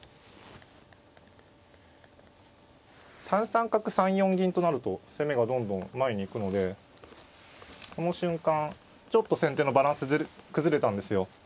３三角３四銀となると攻めがどんどん前に行くのでこの瞬間ちょっと先手のバランス崩れたんですよ。